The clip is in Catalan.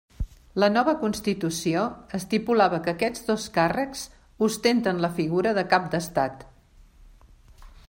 La nova constitució estipulava que aquests dos càrrecs ostenten la figura de cap d'estat.